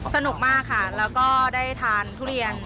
สนุกมากค่ะแล้วก็ได้ทานทุเรียน